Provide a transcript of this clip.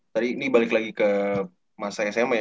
tadi ini balik lagi ke masa sma ya